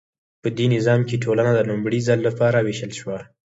په دې نظام کې ټولنه د لومړي ځل لپاره ویشل شوه.